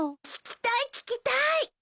聞きたい聞きたい。